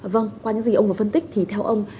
vâng qua những gì ông vừa phân tích thì theo ông